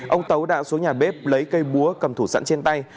ông tấu đã xuống nhà bếp lấy cây búa cầm thủ sẵn trên tay